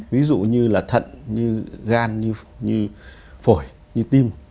ví dụ như là thận như gan như phổi như tim